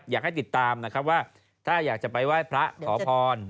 อยากให้ติดตามนะครับว่าถ้าอยากจะไปไหว้พระขอพร